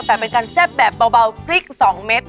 แต่เป็นการแซ่บแบบเบาพริก๒เม็ด